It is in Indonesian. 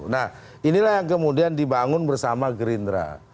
nah inilah yang kemudian dibangun bersama gerindra